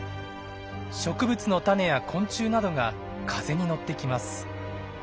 植物の種や昆虫などが風に乗ってきます。